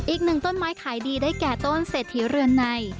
อีกหนึ่งต้นไม้ขายดีได้แก่ต้นเศรษฐีเรือนใน